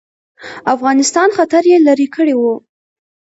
افغانستان خطر یې لیري کړی وو.